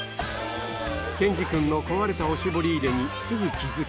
ケンジくんの壊れたおしぼり入れにすぐ気付き。